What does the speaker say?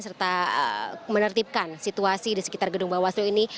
serta menertibkan situasi di sekitar gedung bawaslu ini